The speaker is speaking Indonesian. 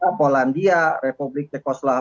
seperti polandia republik tekoslova dan lain lain